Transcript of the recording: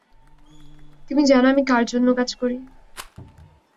তুমি জান আমি কার জন্য কাজ করি?